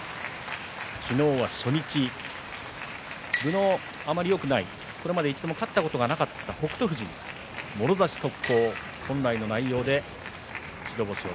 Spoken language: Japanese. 昨日は初日分のあまりよくないこれまで一度も勝ったことのない北勝富士にもろ差し速攻本来の内容で白星。